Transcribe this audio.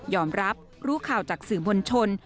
รับรู้ข่าวจากสื่อมวลชน